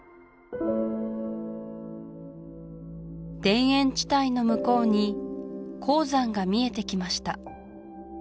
田園地帯の向こうに黄山が見えてきました